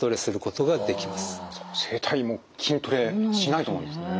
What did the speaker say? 声帯も筋トレしないとなんですね。